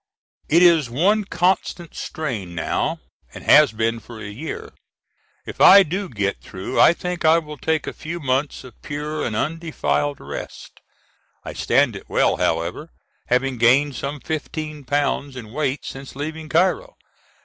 It is one constant strain now and has been for a year. If I do get through I think I will take a few months of pure and undefiled rest. I stand it well, however, having gained some fifteen pounds in weight since leaving Cairo.